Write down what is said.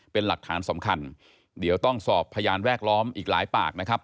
เป็นหลักฐานสำคัญเดี๋ยวต้องสอบพยานแวดล้อมอีกหลายปากนะครับ